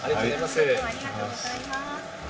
ありがとうございます。